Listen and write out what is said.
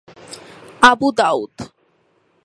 Abu Daud